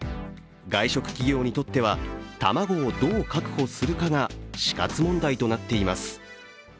外食企業にとっては卵をどう確保するかが死活問題となっています。